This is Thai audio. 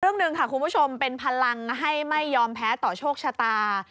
เรื่องหนึ่งค่ะคุณผู้ชมเป็นพลังให้ไม่ยอมแพ้ต่อโชคชะตา